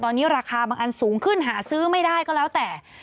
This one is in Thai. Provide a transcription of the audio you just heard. ตอนนี้ราคาบางอันสูงขึ้นหาซื้อไม่ได้ก็แล้วแต่